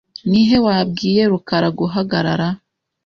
Ni he wabwiye rukara guhagarara?